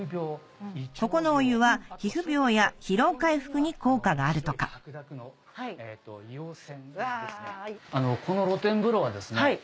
ここのお湯は皮膚病や疲労回復に効果があるとか硫黄泉ですね。